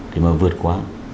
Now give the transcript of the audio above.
thì mà vượt qua